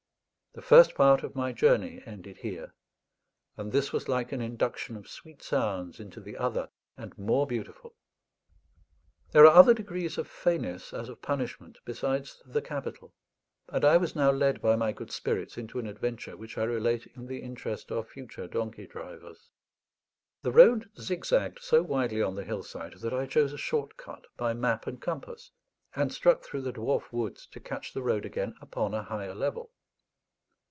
The first part of my journey ended here; and this was like an induction of sweet sounds into the other and more beautiful. There are other degrees of feyness, as of punishment, besides the capital; and I was now led by my good spirits into an adventure which I relate in the interest of future donkey drivers. The road zigzagged so widely on the hillside, that I chose a short cut by map and compass, and struck through the dwarf woods to catch the road again upon a higher level.